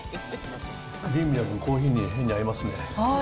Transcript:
クリーミーでコーヒーに変に合いますね。